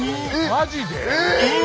マジで？